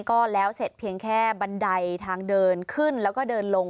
ก็แล้วเสร็จเพียงแค่บันไดทางเดินขึ้นแล้วก็เดินลง